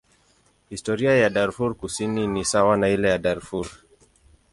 Historia ya Darfur Kusini ni sawa na ile ya Darfur.